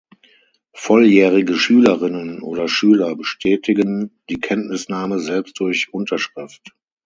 Volljährige Schülerinnen oder Schüler bestätigen die Kenntnisnahme selbst durch Unterschrift.